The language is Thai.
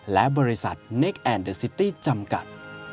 และบริษัทเนคแอนเดอร์ซิตี้จำกัด